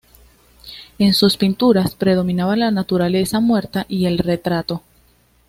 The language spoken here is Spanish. En sus pinturas predominaba la naturaleza muerta y el retrato.